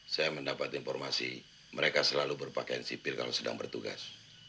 saya mendapat informasi mereka selalu berpakaian sipil kalau sedang bertugas